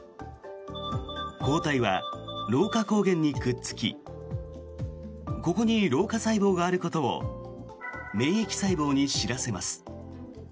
抗体は老化抗原にくっつきここに老化細胞があることを免疫細胞に知らせます。